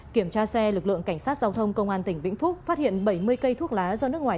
kiểm tra xe lực lượng cảnh sát giao thông công an tỉnh vĩnh phúc phát hiện bảy mươi cây thuốc lá do nước ngoài